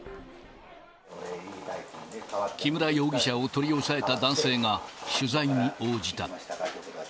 木村容疑者を取り押さえた男性が、取材に応じた。